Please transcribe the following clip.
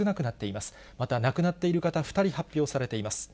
また、亡くなっている方、２人発表されています。